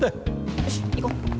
よし行こう。